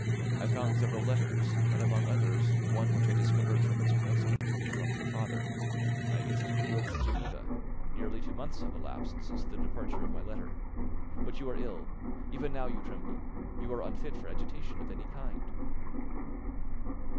I found several letters, and, among others, one which I discovered from its commencement to be from your father. I instantly wrote to Geneva; nearly two months have elapsed since the departure of my letter. But you are ill; even now you tremble; you are unfit for agitation of any kind."